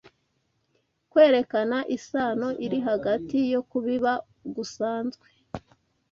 kwerekana isano iri hagati yo kubiba gusanzwe